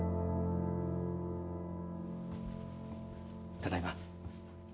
ただいま。